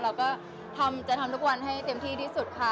เราก็จะทำทุกวันให้เต็มที่ที่สุดค่ะ